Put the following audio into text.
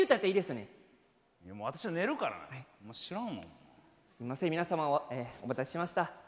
すいません皆様お待たせしました。